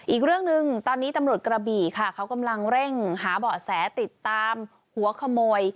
อีกเรื่องหนึ่งตอนนี้ตำรวจกระบี่ค่ะเขากำลังเร่งหาเบาะแสติดตามหัวขโมย